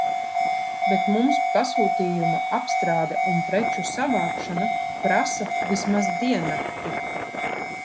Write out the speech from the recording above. Bet mums pasūtījuma apstrāde un preču savākšana prasa vismaz diennakti.